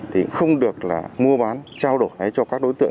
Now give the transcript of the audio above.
thì không được là mua bán trao đổi ngay cho các đối tượng